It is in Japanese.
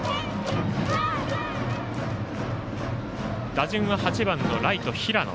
打順は８番のライト、平野。